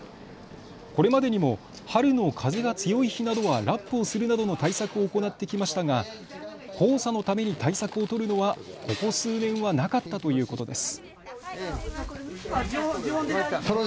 これまでにも春の風が強い日などはラップをするなどの対策を行ってきましたが黄砂のために対策を取るのはここ数年はなかったということです。